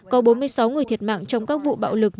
có bốn mươi sáu người thiệt mạng trong các vụ bạo lực